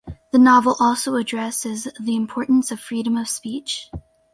The novel also addresses the importance of freedom of speech.